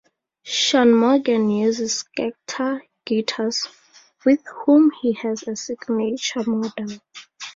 Shaun Morgan uses Schecter guitars, with whom he has a signature model.